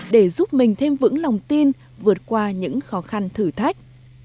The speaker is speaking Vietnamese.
để giúp mình thêm vững lòng tin vượt qua những khó khăn thử thách